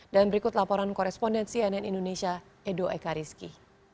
dan berikut laporan korespondensi ann indonesia edo ekariski